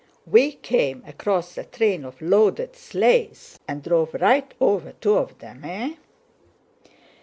We came across a train of loaded sleighs and drove right over two of them. Eh?"